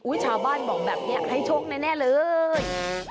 ชาวบ้านบอกแบบนี้ให้โชคแน่เลย